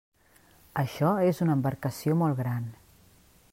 Això és una embarcació molt gran.